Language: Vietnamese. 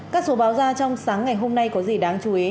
các số báo ra trong sáng ngày hôm nay có gì đáng chú ý